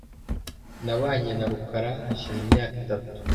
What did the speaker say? Nabanye na rukara hashize imyaka itatu .